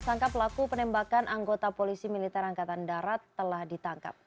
sangka pelaku penembakan anggota polisi militer angkatan darat telah ditangkap